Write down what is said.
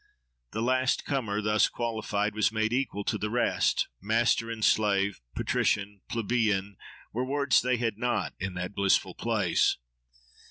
The last comer, thus qualified, was made equal to the rest: master and slave, patrician, plebeian, were words they had not—in that blissful place.